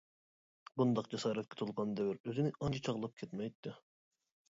بۇنداق جاسارەتكە تولغان دەۋر ئۆزىنى ئانچە چاغلاپ كەتمەيتتى.